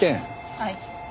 はい。